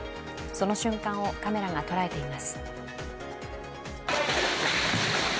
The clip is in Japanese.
その瞬間をカメラが捉えています。